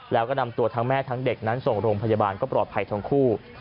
แล้วก็นำตัวทั้งแม่ทั้งเด็กนั้นส่งโรงพยาบาลก็ปลอดภัยทั้งคู่